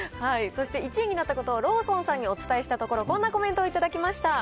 そして１位になったことをローソンさんにお伝えしたところ、こんなコメントを頂きました。